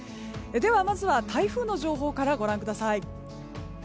では、まずは台風の情報からご覧ください。